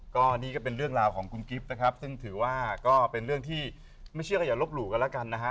ก็นี่ก็เป็นเรื่องราวของคุณกิฟต์นะครับซึ่งถือว่าก็เป็นเรื่องที่ไม่เชื่อก็อย่าลบหลู่กันแล้วกันนะฮะ